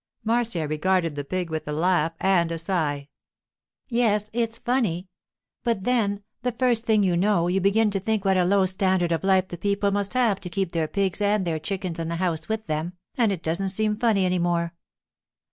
Marcia regarded the pig with a laugh and a sigh. 'Yes, it's funny; but then, the first thing you know, you begin to think what a low standard of life the people must have who keep their pigs and their chickens in the house with them, and it doesn't seem funny any more.